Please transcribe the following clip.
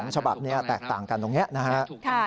๒ฉบับนี้แตกต่างกันตรงนี้